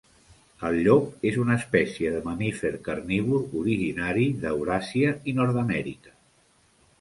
El llop és una espècie de mamífer carnívor originari d'Euràsia i Nord-amèrica.